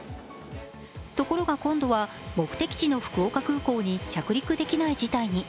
ところが今度は目的の福岡空港に着陸できない事態に。